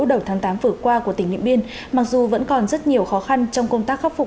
đầu tháng tám vừa qua của tỉnh điện biên mặc dù vẫn còn rất nhiều khó khăn trong công tác khắc phục